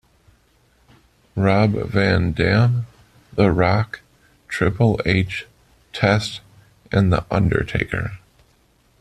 Rob Van Dam, The Rock, Triple H, Test and the Undertaker.